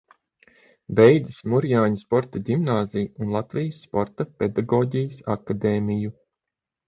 Beidzis Murjāņu sporta ģimnāziju un Latvijas Sporta pedagoģijas akadēmiju.